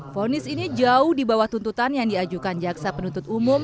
fonis ini jauh di bawah tuntutan yang diajukan jaksa penuntut umum